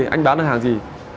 anh bán hàng gì